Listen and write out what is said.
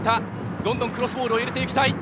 どんどんクロスボールを入れていきたい。